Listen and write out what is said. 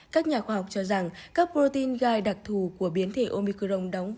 các nhà khoa học cho rằng các protein gai đặc thù của biến thể omicron đóng